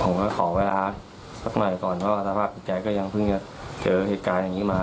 ขอเวลาสักหน่อยก่อนเพราะว่าสภาพจิตใจก็ยังเพิ่งจะเจอเหตุการณ์อย่างนี้มา